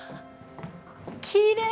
きれい！